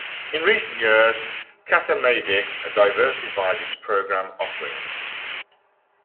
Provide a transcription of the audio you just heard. In recent years, Katimavik diversified its program offerings.